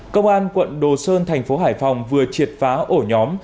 công an quận đồ sơn thành phố hải phòng vừa triệt phá ổ nhóm